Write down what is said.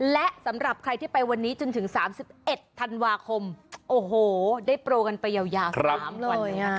และสำหรับใครที่ไปวันนี้จนถึง๓๑ธันวาคมโอ้โหได้โปรกันไปยาว๓วันนี้